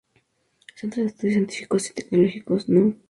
Centro de Estudios Científicos y Tecnológicos No.